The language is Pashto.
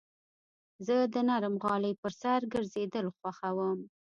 زه د نرم غالۍ پر سر ګرځېدل خوښوم.